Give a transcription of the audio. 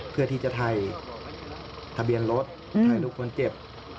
เพื่อที่จะไทยทะเบียนรถเทะลูกสองคนเจ็บ